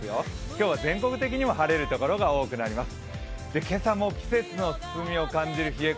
今日は全国的にも晴れる所が多くなります。